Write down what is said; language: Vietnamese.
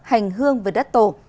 hành hương về đất tổ